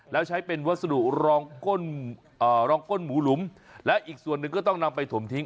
แล้วใช้เป็นวัสดุรองก้นหมูหลุมและอีกส่วนหนึ่งก็ต้องนำไปถมทิ้ง